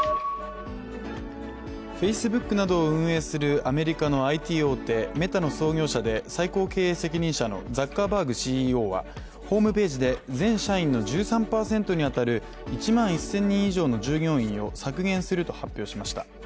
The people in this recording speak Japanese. Ｆａｃｅｂｏｏｋなどを運営するアメリカのＩＴ大手メタの創業者で最高経営責任者のザッカーバーグＣＥＯは全社員の１３％に当たる１万１０００人以上の従業員を削減すると発表しました。